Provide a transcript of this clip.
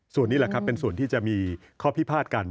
ส่วนนี้แหละครับเป็นส่วนที่จะมีข้อพิพาทกัน